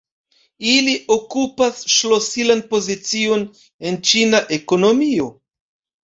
Ili okupas ŝlosilan pozicion en Ĉina ekonomio.